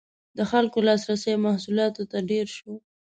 • د خلکو لاسرسی محصولاتو ته ډېر شو.